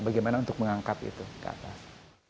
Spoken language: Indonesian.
bagaimana untuk mengangkat itu ke atas